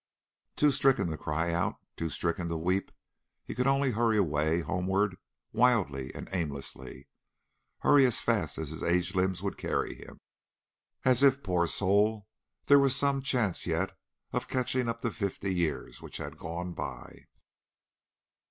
Too stricken to cry out, too stricken to weep, he could only hurry away homewards wildly and aimlessly; hurry as fast as his aged limbs would carry him, as if, poor soul! there were some chance yet of catching up the fifty years which had gone by.